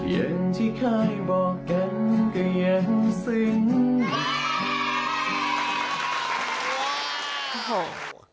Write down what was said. อย่างที่เคยบอกกันก็ยังซึ้ง